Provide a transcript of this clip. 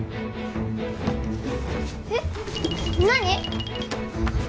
えっ何？